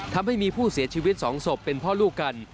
ทำให้มีผู้เสียชีวิต๒ศพเป็นพ่อลูกกัน